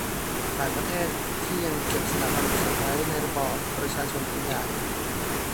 หลายประเทศที่ยังเก็บสถาบันกษัตริย์ไว้ในระบอบประชาชนเป็นใหญ่